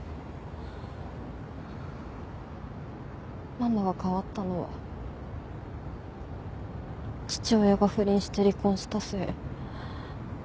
ママが変わったのは父親が不倫して離婚したせい。